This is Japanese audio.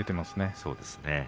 そうですね。